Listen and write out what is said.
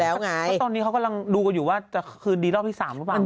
แล้วไงตอนนี้เขากำลังหรืออยู่ว่าดีรอบที่๓บ้าง